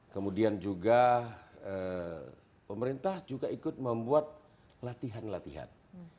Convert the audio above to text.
kemudian juga pemerintah juga ikut membuat latihan latihan